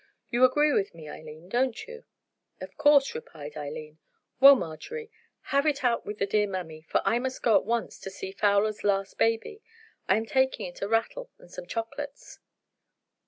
—You agree with me, Eileen, don't you?" "Of course," replied Eileen. "Well, Marjorie, have it out with the dear mammy, for I must go at once to see Fowler's last baby. I am taking it a rattle and some chocolates."